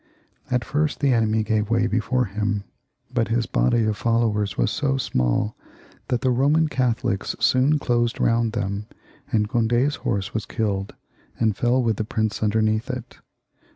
At first the enemy gave way before him, but his body of followers was so smaU that the Eoman Catholics soon closed round them, and Condi's horse was killed and feU with the prince underneath it.